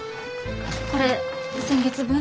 これ先月分。